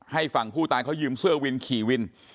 ฝั่งผู้ตายเขายืมเสื้อวินขี่วิน